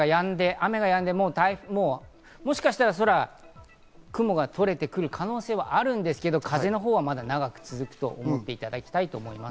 雨がやんで、もしかしたら、雲が取れてくる可能性はあるんですけど、風のほうはまだ長く続くと思っていただきたいと思います。